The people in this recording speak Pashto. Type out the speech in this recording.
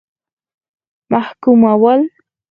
محکومول.